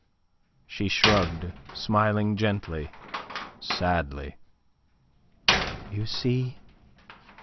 She shrugged, smiling gently, sadly. "You see..."